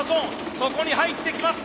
そこに入ってきます。